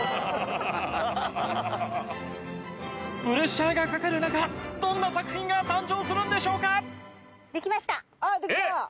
プレッシャーがかかる中どんな作品が誕生するんでしょうか？